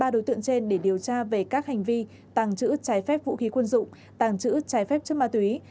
ba đối tượng trên để điều tra về các hành vi tàng trữ trái phép vũ khí quân dụng tàng trữ trái phép chất ma túy